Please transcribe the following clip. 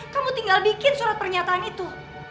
kamu tinggal bikin surat pernyataan itu